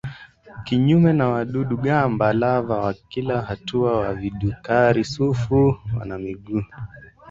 Kinyume na wadudu-gamba lava wa kila hatua wa vidukari-sufu wana miguu.